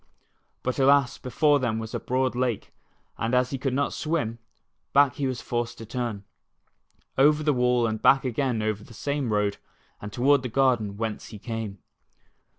But alas, before them was a broad lake, and as he could not swim, back he was forced to turn. Over the wall and back again over the same road and toward the garden whence he came.